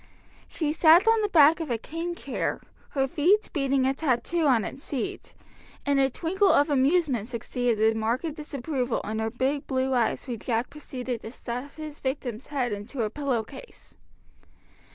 She sat on the back of a cane chair, her feet beating a tattoo on its seat; and a twinkle of amusement succeeded the marked disapproval in her big blue eyes when Jack proceeded to stuff his victim's head into a pillow case.